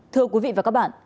thưa quý vị và các bạn